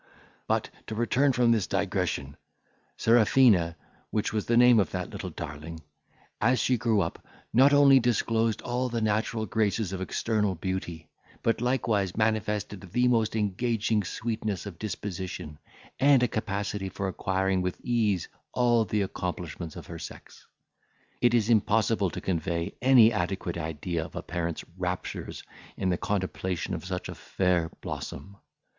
But, to return from this digression.—Serafina, which was the name of that little darling, as she grew up, not only disclosed all the natural graces of external beauty, but likewise manifested the most engaging sweetness of disposition, and a capacity for acquiring with ease all the accomplishments of her sex. It is impossible to convey any adequate idea of a parent's raptures in the contemplation of such a fair blossom.